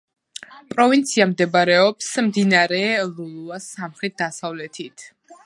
პროვინცია მდებარეობს მდინარე ლულუას სამხრეთ-დასავლეთით.